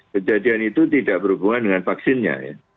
kejadian itu tidak berhubungan dengan vaksinnya